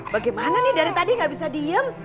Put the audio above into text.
bagaimana nih dari tadi nggak bisa diem